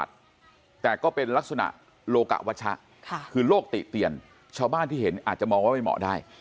แต่ก็เป็นลักษณะโลกะวัชชะคือโลกติเตียนชาวบ้านที่เห็นอาจจะมองว่าไม่เหมาะได้